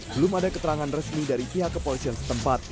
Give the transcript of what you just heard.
belum ada keterangan resmi dari pihak kepolisian setempat